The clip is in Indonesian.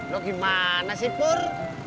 lu gimana sih pur